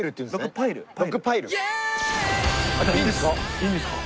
いいんですか？